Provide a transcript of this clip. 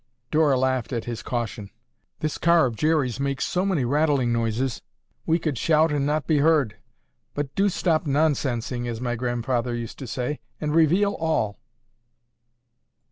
Dora laughed at his caution. "This car of Jerry's makes so many rattling noises, we could shout and not be heard. But do stop 'nonsensing,' as my grandfather used to say, and reveal all."